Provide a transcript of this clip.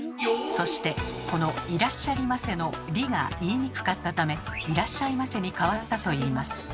そしてこの「いらっしゃりませ」の「り」が言いにくかったため「いらっしゃいませ」に変わったといいます。